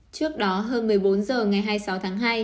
trước đó hơn một mươi bốn h ngày hai mươi sáu tháng hai